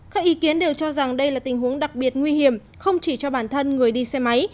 các ý kiến đều cho rằng đây là tình huống đặc biệt nguy hiểm không chỉ cho bản thân người đi xe máy